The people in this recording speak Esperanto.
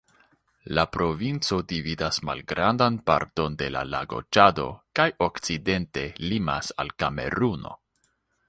La provinco dividas malgrandan parton de la lago Ĉado kaj okcidente limas al Kameruno.